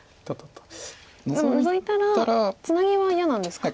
でもノゾいたらツナギは嫌なんですか。